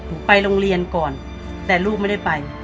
ผมไปโรงเรียนก่อนแต่ลูกไม่ได้ไป